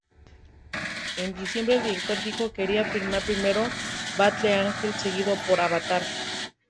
En diciembre, el director dijo que quería filmar primero "Battle Angel", seguido por "Avatar".